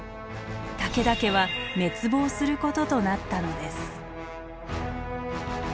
武田家は滅亡することとなったのです。